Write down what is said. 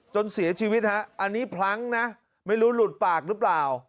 จนเสียชีวิตฮะอันนี้พลั้งนะไม่รู้หลุดปากหรือเปล่า